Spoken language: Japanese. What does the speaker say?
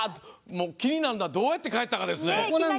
気になるのはどうやって帰ったかですね。